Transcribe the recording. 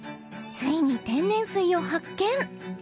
［ついに天然水を発見！］